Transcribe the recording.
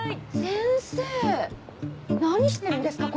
先生何してるんですか？